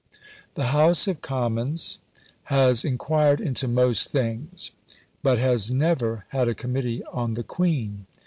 II. The House of Commons has inquired into most things, but has never had a committee on "the Queen".